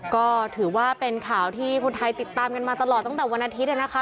ก็ถือว่าเป็นข่าวที่คนไทยติดตามกันมาตลอดตั้งแต่วันอาทิตย์นะคะ